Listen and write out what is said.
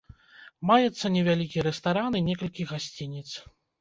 Маецца невялікі рэстаран і некалькі гасцініц.